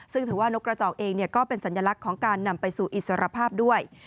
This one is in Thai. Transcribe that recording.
ซึ่งถือว่านกกระจอกเองก็เป็นสัญลักษณ์ของการนำไปสู่อิสรภาพด้วย